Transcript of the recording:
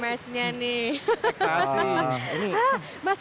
maksudnya dia ada dua jenis reaksi